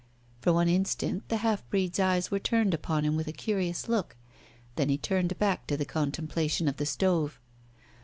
For one instant the half breed's eyes were turned upon him with a curious look. Then he turned back to the contemplation of the stove.